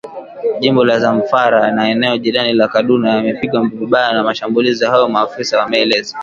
Jimbo la Zamfara na eneo jirani la Kaduna yamepigwa vibaya na mashambulizi hayo maafisa wameeleza